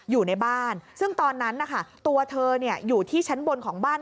อยู่ในบ้านซึ่งตอนนั้นนะคะตัวเธออยู่ที่ชั้นบนของบ้าน